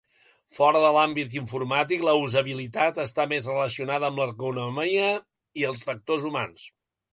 Fora de l'àmbit informàtic, la usabilitat està més relacionada amb l'ergonomia i els factors humans.